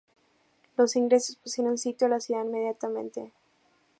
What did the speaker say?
Los ingleses pusieron sitio a la ciudad inmediatamente.